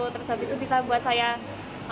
terus habis itu bisa buat sayang